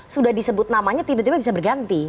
sudah disebut namanya tiba tiba bisa berganti